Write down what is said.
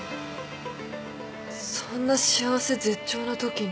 そんな幸せ絶頂のときに。